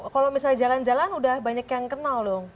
kalau misalnya jalan jalan udah banyak yang kenal dong